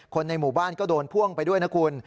ในหมู่บ้านก็โดนพ่วงไปด้วยนะคุณ